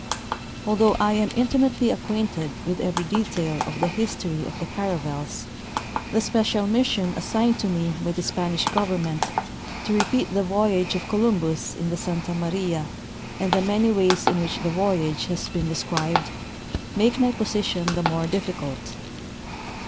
Although I am intimatel}^ acquainted with every detail of the history of the caravels, the special mission assigned to me by the Spanish government, to repeat the voyage of Columbus in the Santa Maria and the many ways in which the voyage has been de scribed, make my position the more difficult.